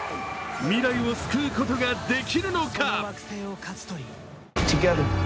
未来を救うことができるのか。